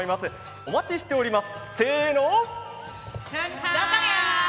お待ちしております。